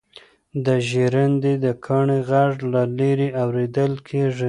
د ژرندې د کاڼي غږ له لیرې اورېدل کېږي.